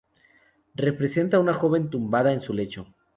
Representa a una joven tumbada en su lecho.